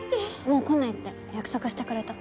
もう来ないって約束してくれた。